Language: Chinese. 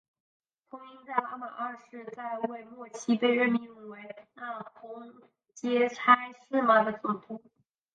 通因在拉玛二世在位末期被任命为那空叻差是玛的总督。